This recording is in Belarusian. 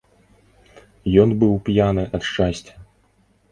Ён быў п'яны ад шчасця.